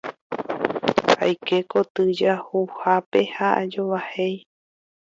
Aike kotyjahuhápe ha ajovahéi.